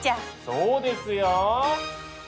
そうですよ！